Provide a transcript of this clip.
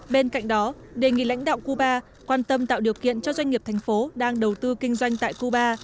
bên cạnh đó đề nghị lãnh đạo cuba quan tâm tạo điều kiện cho doanh nghiệp thành phố đang đầu tư kinh doanh tại cuba